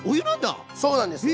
あっそうなんです。